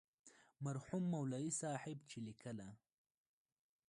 مرحوم مولوي صاحب چې لیکله.